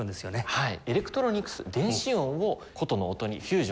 はい。